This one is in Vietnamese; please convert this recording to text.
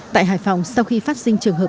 tại hải phòng sau khi phát sinh trường hợp